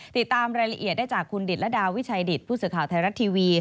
ติดตามรายละเอียดได้จากคุณดิตรดาวิชัยดิตผู้สื่อข่าวไทยรัฐทีวี